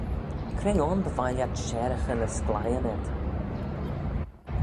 Cre ayn by vie lhiat sharaghey ny schleiyn ayd?